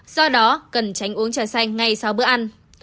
do đó cần tránh uống trà xanh ngay sau bữa ăn